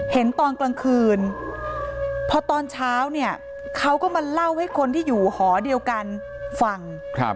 เห็นตอนกลางคืนพอตอนเช้าเนี่ยเขาก็มาเล่าให้คนที่อยู่หอเดียวกันฟัง